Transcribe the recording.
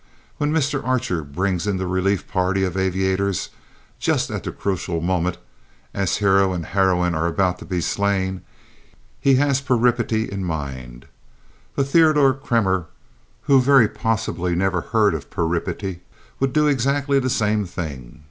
When Mr. Archer brings in the relief party of aviators just at the crucial moment, as hero and heroine are about to be slain, he has peripety in mind. But Theodore Kremer, who very possibly never heard of peripety, would do exactly the same thing.